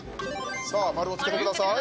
さあ丸をつけてください！